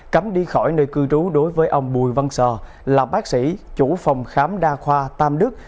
cấm đi khỏi nơi cư trú đối với ông bùi văn sò là bác sĩ chủ phòng khám đa khoa tam đức